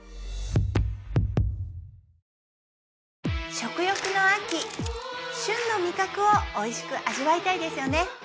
食欲の秋旬の味覚をおいしく味わいたいですよね